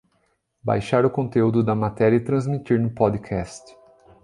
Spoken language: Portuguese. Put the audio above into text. Baixar o conteúdo da matéria e transmitir no Podcast